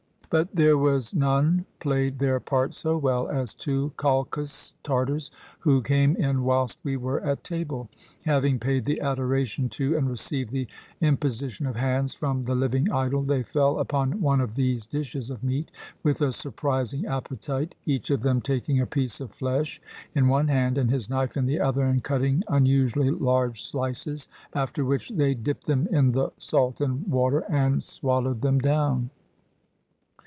But there was none played their part so well as two Kalkas Tartars who came in whilst we were at table. Having paid the adoration to and received the imposi tion of hands from the li\T[ng idol, they fell upon one of these dishes of meat with a surprising appetite, each of them taking a piece of flesh in one hand and his knife in the other, and cutting unusually large slices, after 171 CHINA which they dipped them in the salt and water, and swal lowed them down.